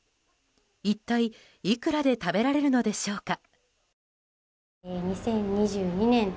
一体、いくらで食べられるのでしょうか。